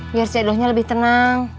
biar si edhohnya lebih tenang